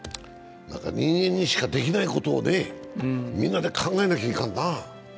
人間にしかできないことをみんなで考えなきゃいかんな。